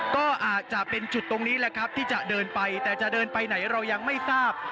ก็อาจจะเป็นจุดตรงนี้แหละครับที่จะเดินไปแต่จะเดินไปไหนเรายังไม่ทราบ